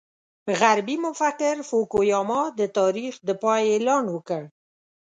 غربي مفکر فوکو یاما د تاریخ د پای اعلان وکړ.